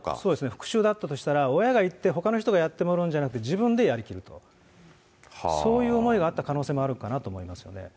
復しゅうだったとしたら、親が行って、ほかの人がやってもらうんじゃなくって、自分でやりきると、そういう思いがあった可能性もあるのかなと思いますね。